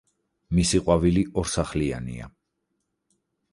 მისი ყვავილი ორსახლიანია.